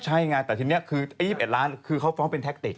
ใช่ไงแต่ทีนี้คือ๒๑ล้านคือเขาฟ้องเป็นแท็กติก